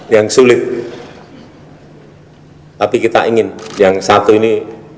yang sulit tapi kita ingin yang satu ini